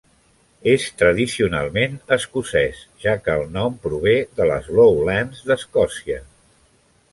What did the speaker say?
És tradicionalment escocès, ja que el nom prové de les Lowlands d'Escòcia.